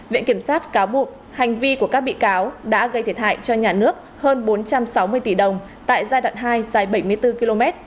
viện kiểm sát cáo buộc hành vi của các bị cáo đã gây thiệt hại cho nhà nước hơn bốn trăm sáu mươi tỷ đồng tại giai đoạn hai dài bảy mươi bốn km